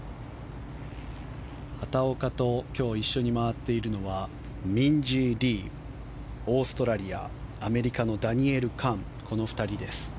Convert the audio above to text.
畑岡と今日一緒に回っているのはミンジー・リー、オーストラリアアメリカのダニエル・カンの２人です。